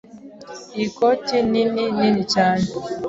Iyi koti nini nini cyane.